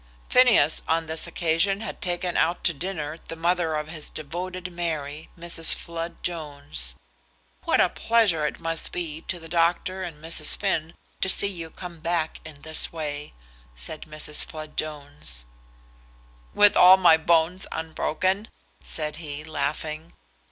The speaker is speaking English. Phineas on this occasion had taken out to dinner the mother of his devoted Mary, Mrs. Flood Jones. "What a pleasure it must be to the doctor and Mrs. Finn to see you come back in this way," said Mrs. Flood Jones. "With all my bones unbroken?" said he, laughing.